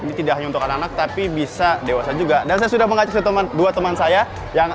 ini tidak hanya untuk anak anak tapi bisa dewasa juga dan saya sudah mengajak ke teman dua teman saya yang